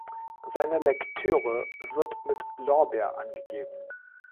Seine Lektüre wird mit Lorber angegeben.